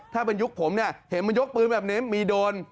ถ้าเป็นยุคผมเนี่ยเห็นมันยกปืนแบบนี้มีโดน